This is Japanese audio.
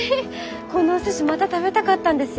このお寿司また食べたかったんですよ。